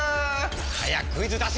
早くクイズ出せ‼